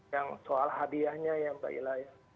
yang soal hadiahnya ya mbak ila ya